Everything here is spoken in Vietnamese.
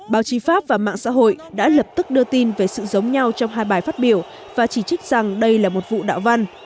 báo chí pháp và mạng xã hội đã lập tức đưa tin về sự giống nhau trong hai bài phát biểu và chỉ trích rằng đây là một vụ đạo văn